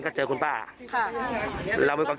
ก็คือปฏิหารค่ะทุกอย่างวันพระหมด